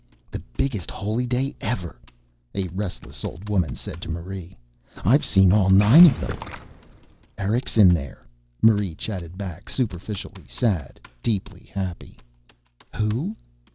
"The biggest Holy Day ever," a restless old woman said to Marie. "I've seen all nine of them." "Eric's in there," Marie chatted back, superficially sad, deeply happy. "Who?"